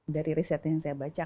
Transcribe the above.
dari riset yang saya baca